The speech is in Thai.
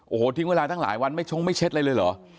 โอ้โหทิ้งเวลาตั้งหลายวันไม่ชงไม่เช็ดอะไรเลยเหรอ